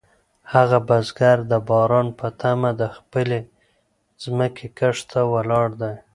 هغه بزګر د باران په تمه د خپلې ځمکې کښت ته ولاړ دی.